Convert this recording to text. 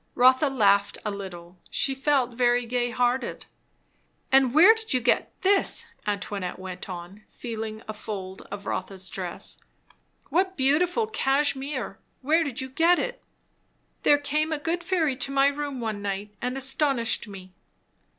Rotha laughed a little. She felt very gay hearted. "And where did you get this?" Antoinette went on, feeling of a fold of Rotha's dress. "What beautiful cashmere! Where did you get it?" "There came a good fairy to my room one night, and astonished me."